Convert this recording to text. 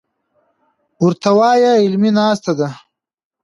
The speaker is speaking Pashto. ورته وايه علمي ناسته ده.